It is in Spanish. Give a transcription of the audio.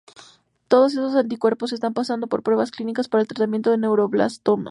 Todos estos anticuerpos están pasando por pruebas clínicas para el tratamiento de neuroblastoma.